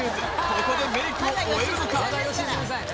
ここでメイクを終えるのか？